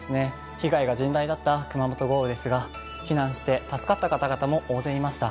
被害が甚大だった熊本豪雨ですが、避難して助かった方々も大勢いました。